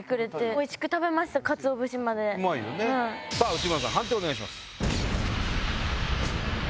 内村さん判定をお願いします。